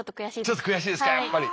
ちょっと悔しいですかやっぱり。